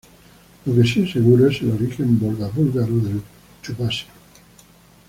Lo que sí es seguro es el origen volga-búlgaro del chuvasio.